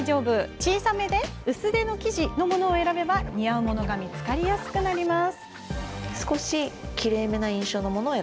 小さめで薄手の生地のものを選べば似合うものが見つかりやすくなります。